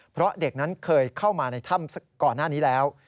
เพราะเด็กนั้นเคยเข้ามาในถ้ำก่อนหน้านี้แล้ว